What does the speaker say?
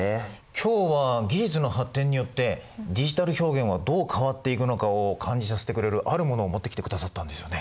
今日は技術の発展によってディジタル表現はどう変わっていくのかを感じさせてくれるあるものを持ってきてくださったんですよね。